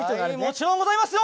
もちろんございますよ。